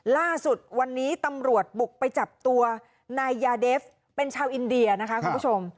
ล่าสุดวันนี้ตำรวจบุกไปจับตัวนายยาเดฟเป็นชาวอินเดียนะคะคุณผู้ชม